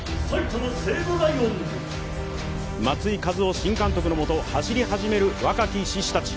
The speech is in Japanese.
松井稼頭央新監督のもと、走り始める若き獅子たち。